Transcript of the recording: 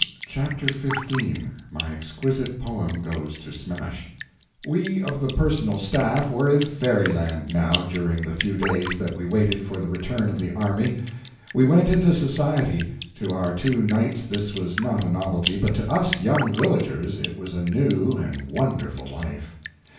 Chapter 15 My Exquisite Poem Goes to Smash WE OF the personal staff were in fairyland now, during the few days that we waited for the return of the army. We went into society. To our two knights this was not a novelty, but to us young villagers it was a new and wonderful life.